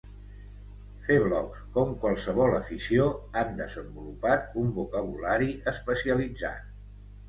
Fer blogs, com qualsevol afició, han desenvolupat un vocabulari especialitzat.